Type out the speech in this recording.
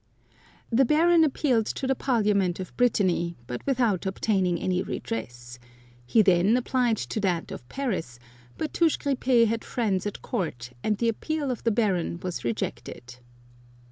The Baron appealed to the Parliament of Brittany, but without obtaining any redress ; he then applied to that of Paris, but Touche Grippe had friends at court, and the appeal of the Baron was rejected.